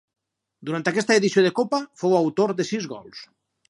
Durant aquesta edició de Copa fou autor de sis gols.